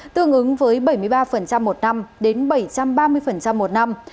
tương ứng với bảy mươi ba một năm đến bảy trăm ba mươi một năm